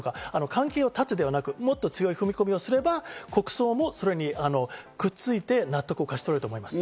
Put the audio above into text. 関係を断つではなく、もっと強い踏み込みをすれば、国葬もそれにくっついて納得を勝ち取ると思います。